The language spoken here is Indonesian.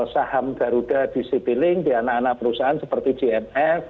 saham garuda di citylink di anak anak perusahaan seperti gmf